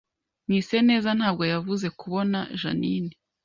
Mwiseneza ntabwo yavuze kubona Jeaninne